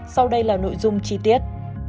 sau đây là nội dung chi tiết